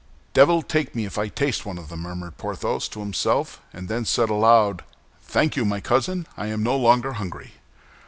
"Devil take me if I taste one of them!" murmured Porthos to himself, and then said aloud, "Thank you, my cousin, I am no longer hungry."